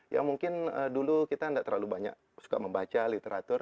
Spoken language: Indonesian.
ya mungkin dulu kita tidak terlalu banyak suka membaca literatur